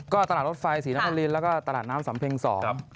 ก็ตลาดรถไฟศรีนครินแล้วก็ตลาดน้ำสำเพ็งสอง